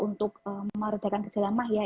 untuk meredakan gejala mah ya